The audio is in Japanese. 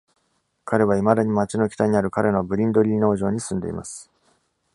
彼はいまだに町の北にある彼のブリンドリー農場に住んでいます。